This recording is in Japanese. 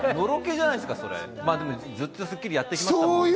ずっと『スッキリ』やってきましたからね。